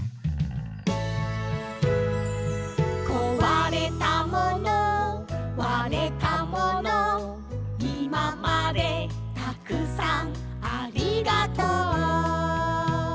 「壊れたもの割れたもの」「今までたくさんありがとう」